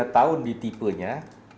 tiga tahun di tipenya